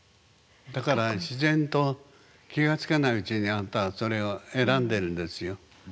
だから自然と気がつかないうちにあなたはそれを選んでるんですよ。